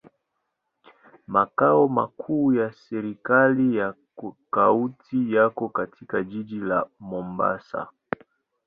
Makao makuu ya serikali ya kaunti yako katika jiji la Mombasa.